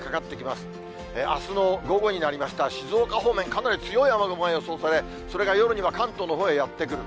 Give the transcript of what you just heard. あすの午後になりましたら、静岡方面、かなり強い雨雲が予想され、それが夜には関東のほうへやって来る。